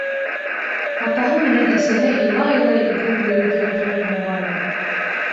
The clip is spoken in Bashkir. Атаһы менән әсәһе илай-илай эҙләп йөрөйҙәрҙер әле, моғайын.